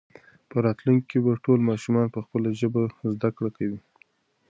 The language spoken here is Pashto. په راتلونکي کې به ټول ماشومان په خپله ژبه زده کړه کوي.